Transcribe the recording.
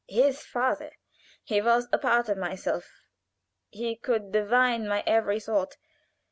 His father he was a part of myself, he could divine my every thought.